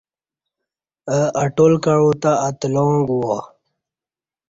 اہ اٹل کعو تہ اَتلا گوا